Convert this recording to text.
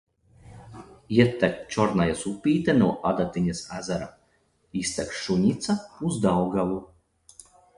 Ietek Čornajas upīte no Adatiņas ezera, iztek Šuņica uz Daugavu.